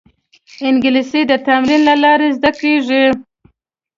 انګلیسي د تمرین له لارې زده کېږي